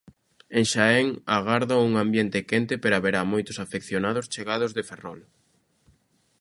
En Xaén agárdao un ambiente quente pero haberá moitos afeccionados chegados de Ferrol.